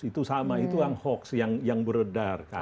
itu sama itu yang hoax yang beredar kan